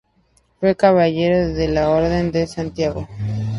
Fue caballero de la Orden de Santiago.